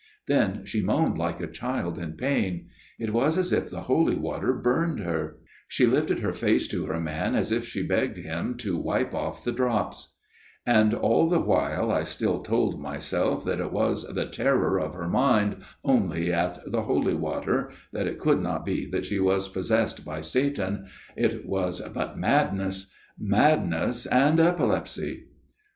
" Then she moaned like a child in pain. It was as if the holy water burned her ; she lifted her face to her man as if she begged him to wipe off the drops. A MIRROR OF SHALOTT " And all the while I still told myself that it was the terror of her mind only at the holy water that it could not be that she was possessed by Satan it was but madness madness and epilepsy!